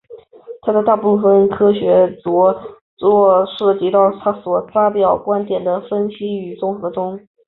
他的大部分科学着作涉及对他人所发表观点的分析与综合中。